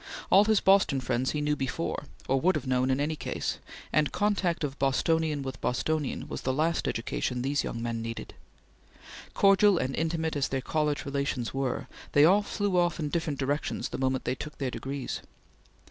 All his Boston friends he knew before, or would have known in any case, and contact of Bostonian with Bostonian was the last education these young men needed. Cordial and intimate as their college relations were, they all flew off in different directions the moment they took their degrees.